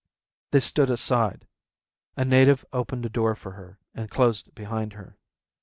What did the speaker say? They stood aside. A native opened a door for her and closed it behind her.